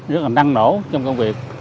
rất là năng nổ trong công việc